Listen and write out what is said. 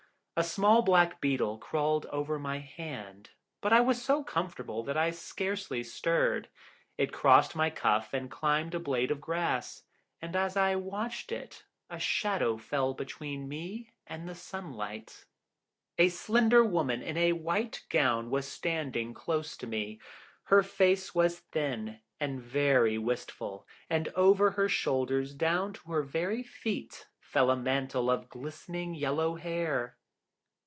A small black beetle crawled over my hand, but I was so comfortable that I scarcely stirred. It crossed my cuff and climbed a blade of grass; and as I watched it a shadow fell between me and the sunlight. A slender woman in a white gown was standing close to me. Her face was thin, and very wistful, and over her shoulders, down to her very feet, fell a mantle of glistening yellow hair.